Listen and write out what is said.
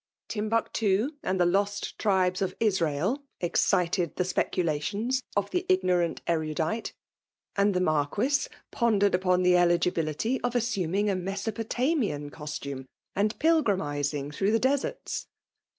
Timbuctoo and the lost.tHfc^v^fi Israel excited the speculations of the i^o * rant erudite; and the Marquis pondesed v^pfm the eligibility of assuming a Meao{P9la«(liAi( costume, and pilgrimizing through tho difl^ sarts.